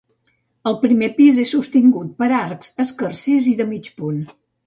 El primer pis és sostingut per arcs escarsers i de mig punt.